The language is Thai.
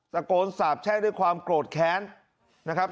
ตะโกนสาบแช่งด้วยความโกรธแค้นนะครับ